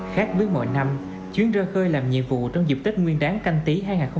khác với mọi năm chuyến ra khơi làm nhiệm vụ trong dịp tết nguyên đáng canh tí hai nghìn hai mươi